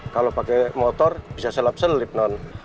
kalau pakai motor bisa selap selip non